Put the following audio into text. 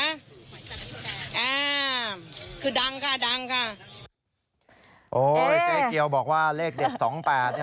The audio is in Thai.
อ่าคือดังค่ะดังค่ะโอ้ยเจ๊เกียวบอกว่าเลขเด็ดสองแปดเนี้ย